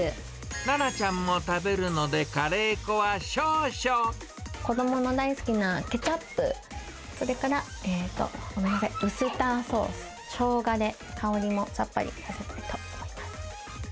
ななちゃんも食べるので、子どもの大好きなケチャップ、それから、えーと、ごめんなさい、ウスターソース、ショウガで香りもさっぱりさせたいと思います。